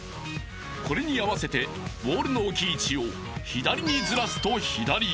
［これに合わせてボールの置き位置を左にずらすと左へ］